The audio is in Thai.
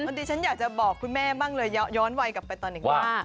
อันดีฉันอยากจะบอกคุณแม่บ้างเลยย้อนไวกลับไปตอนนี้ว่า